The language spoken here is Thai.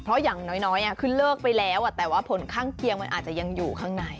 เพราะอย่างน้อยคือเลิกไปแล้วแต่ว่าผลข้างเคียงมันอาจจะยังอยู่ข้างใน